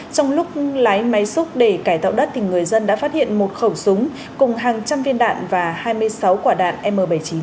trong lúc lái máy xúc để cải tạo đất người dân đã phát hiện một khẩu súng cùng hàng trăm viên đạn và hai mươi sáu quả đạn m bảy mươi chín